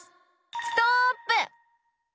ストップ！